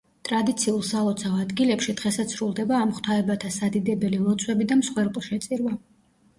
ტრადიციულ სალოცავ ადგილებში დღესაც სრულდება ამ ღვთაებათა სადიდებელი ლოცვები და მსხვერპლშეწირვა.